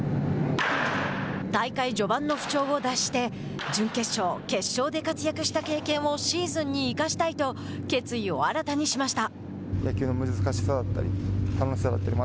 大会序盤の不調を脱して準決勝、決勝で活躍した経験をシーズンに生かしたいと決意を新たにしました。